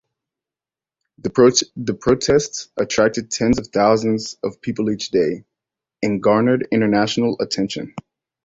The protests attracted tens of thousands of people each day, and garnered international attention.